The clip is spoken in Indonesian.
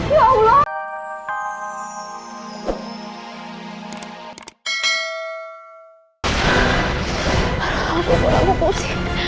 mas jangan takut takut